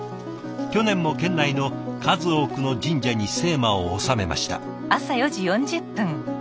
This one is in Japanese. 去年も県内の数多くの神社に精麻を納めました。